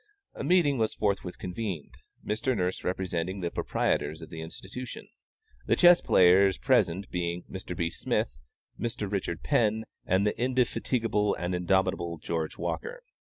A meeting was forthwith convened, Mr. Nurse representing the proprietors of the Institution, the chess players present being Mr. B. Smith, Mr. Richard Penn, and the indefatigable and indomitable George Walker.